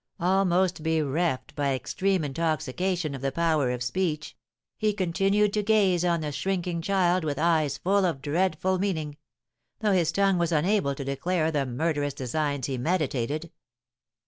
"Almost bereft by extreme intoxication of the power of speech, he continued to gaze on the shrinking child with eyes full of dreadful meaning, though his tongue was unable to declare the murderous designs he meditated.